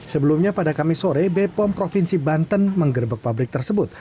sebelumnya pada kamis sore b pom provinsi banten menggerebek pabrik tersebut